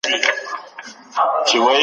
د بدن حرکت د ژوند نښه ده.